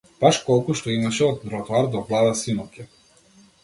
Баш колку што имаше од тротоар до влада синоќа.